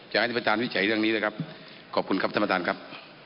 จะให้ท่านพินิจฉัยเรื่องนี้เลยครับขอบคุณครับธรรมดาลครับ